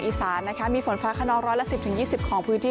อีสานนะคะมีฝนฟ้าขนร้อยละสิบถึงยี่สิบของพื้นที่